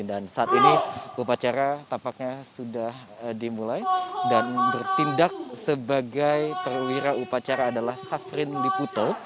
dan saat ini upacara tampaknya sudah dimulai dan bertindak sebagai perwira upacara adalah safrin liputo